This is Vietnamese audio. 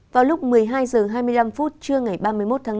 vào lúc một mươi hai h hai mươi năm phút trưa ngày ba mươi một tháng năm